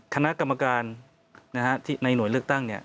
คณะกรรมการที่ในหน่วยเลือกตั้ง